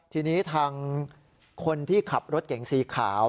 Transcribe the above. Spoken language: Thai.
ทีนี้ทางคนที่ขับรถเก่งสีขาว